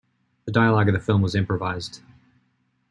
The dialogue of the film was improvised.